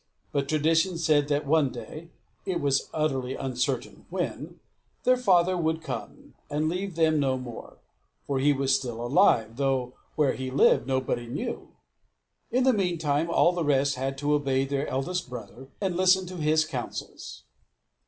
But Tradition said that one day it was utterly uncertain when their father would come, and leave them no more; for he was still alive, though where he lived nobody knew. In the meantime all the rest had to obey their eldest brother, and listen to his counsels.